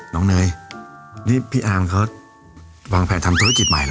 น้องเนยนี่พี่อ่านเคิร์ตวางแผนทำธุรกิจใหม่เหรอ